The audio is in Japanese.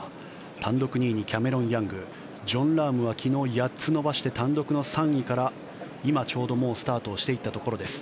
単独２位にキャメロン・ヤングジョン・ラームは昨日８つ伸ばして単独の３位から今ちょうどスタートしていったところです。